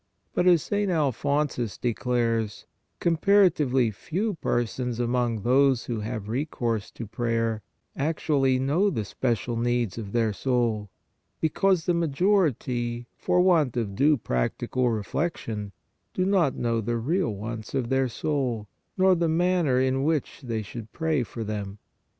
But, as St. Alphonsus declares, comparatively few per sons among those who have recourse to prayer, actually know the special needs of their soul, be cause the majority, for want of due practical re flection, do not know the real wants of their soul, nor the manner in which they should pray for them.